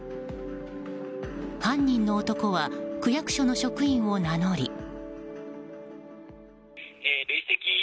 犯人の男は区役所の職員を名乗り。